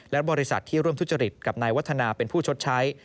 และบริษัทที่ร่วมทุจริตกับนายวัฒนาเป็นผู้ชดใช้